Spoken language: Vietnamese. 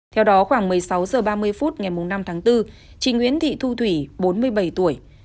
theo đó khoảng một mươi sáu h ba mươi phút ngày năm tháng bốn chị nguyễn thị thu thủy bốn mươi bảy tuổi